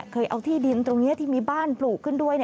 เคยเอาที่ดินตรงนี้ที่มีบ้านปลูกขึ้นด้วย